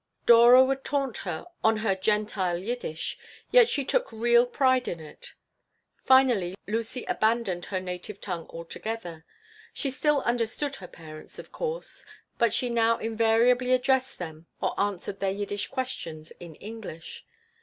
Dora would taunt her on her "Gentile Yiddish," yet she took real pride in it. Finally, Lucy abandoned her native tongue altogether. She still understood her parents, of course, but she now invariably addressed them or answered their Yiddish questions in English.